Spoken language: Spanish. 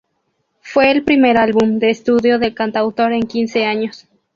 Fue el primer álbum de estudio del cantautor en quince años.